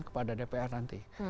kepada dpr nanti